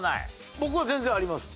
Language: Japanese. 僕は全然あります。